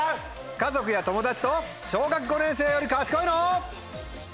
家族や友達と小学５年生より賢いの？